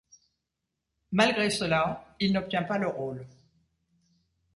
Malgré cela, il n'obtient pas le rôle.